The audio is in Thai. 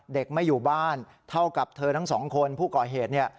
เด็กไม่อยู่บ้านเท่ากับเธอทั้งสองคนผู้ก่อเหตุเนี่ย